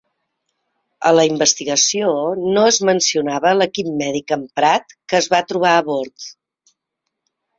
A la investigació no es mencionava l'equip mèdic emprat que es va trobar a bord.